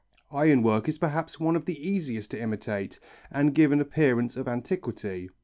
Iron work is perhaps one of the easiest to imitate and give an appearance of antiquity.